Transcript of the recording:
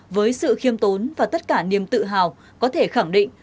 với sự khiêm tốn và tất cả niềm tự hào có thể khẳng định